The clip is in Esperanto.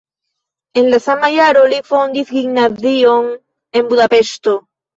En la sama jaro li fondis gimnazion en Budapeŝto.